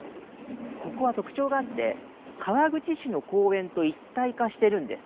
ここは特徴があって、川口市の公園と一体化してるんです。